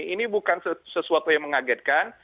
ini bukan sesuatu yang mengagetkan